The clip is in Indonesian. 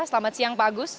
selamat siang pak agus